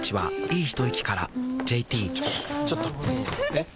えっ⁉